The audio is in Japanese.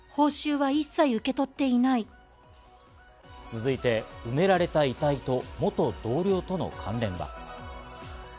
続いて、埋められた遺体と元同僚との関連は？